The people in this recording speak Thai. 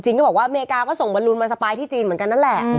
ที่ก็บอกว่าอเมริกาก็ส่งบรรลุนมาสไปล์ด้วยที่จีนเหมือนกันน่ะแหละ